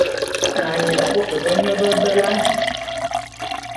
Ma nye bot bene bebela.